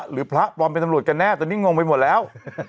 หรือพระปลอมเป็นตำรวจกันแน่ตอนนี้งงไปหมดแล้ว